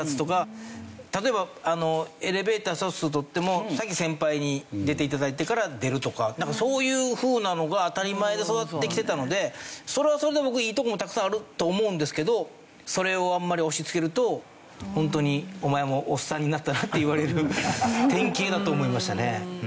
例えばエレベーターひとつ取っても先先輩に出て頂いてから出るとかなんかそういうふうなのが当たり前で育ってきていたのでそれはそれで僕いいとこもたくさんあると思うんですけどそれをあんまり押し付けるとホントに「お前もおっさんになったな」って言われる典型だと思いましたね。